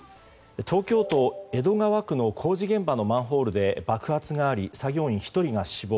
東京・江戸川区の工事現場のマンホールで爆発があり、作業員１人が死亡。